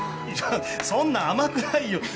いやそんな甘くないよ。